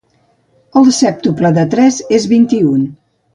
El sèptuple de tres és vint-i-un.